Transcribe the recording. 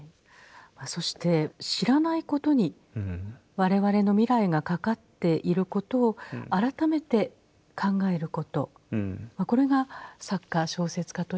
そして知らないことに我々の未来がかかっていることを改めて考えることこれが作家小説家としての出発点である。